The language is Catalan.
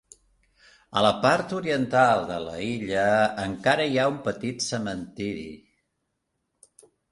A la part oriental de la illa encara hi ha un petit cementiri.